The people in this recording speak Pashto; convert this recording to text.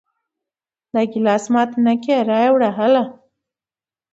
دا ګلاس مات نه کې را یې وړه هله!